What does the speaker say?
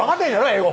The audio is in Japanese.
英語